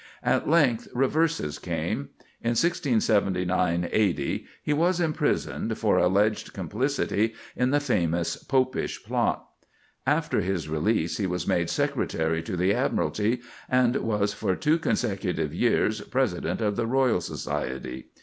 At length reverses came. In 1679 80, he was imprisoned for alleged complicity in the famous Popish Plot. After his release he was made Secretary to the Admiralty, and was for two consecutive years President of the Royal Society.